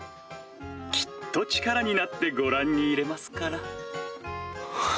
きっと力になってご覧に入れますから。